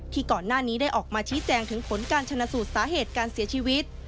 ก่อนหน้านี้ได้ออกมาชี้แจงถึงผลการชนะสูตรสาเหตุการเสียชีวิต